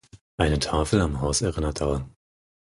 Eine Tafel am Haus erinnert daran.